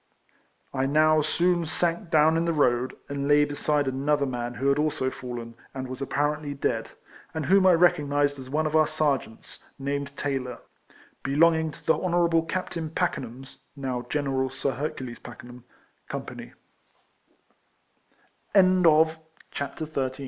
I now soon sank down in the road and lay beside another man who had also fallen, and was apparently dead, and whom I recognised as one of our sergeants, named Taylor, be longing to the Honourable Captain Paken ham's (now General Sir He